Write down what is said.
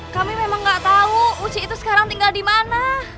kami memang nggak tahu uci itu sekarang tinggal di mana